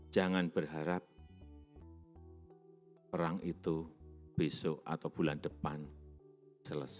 jangan berharap perang itu besok atau bulan depan selesai